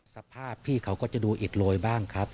สภาพพี่เขาก็จะดูอิดโรยบ้างครับ